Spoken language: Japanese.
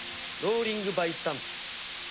ローリングバイスタンプ。